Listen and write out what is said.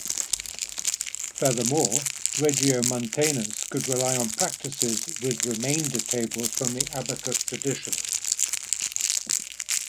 Furthermore, Regiomontanus could rely on practices with remainder tables from the abacus tradition.